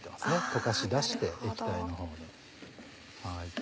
溶かし出して液体の方に。